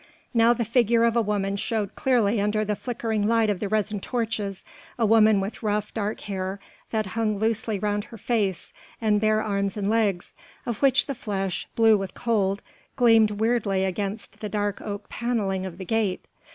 Now the figure of a woman showed clearly under the flickering light of the resin torches, a woman with rough, dark hair that hung loosely round her face, and bare arms and legs, of which the flesh, blue with cold, gleamed weirdly against the dark oak panelling of the gate.